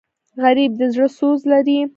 غریب د زړه سوز لري